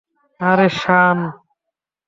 আরে, সান?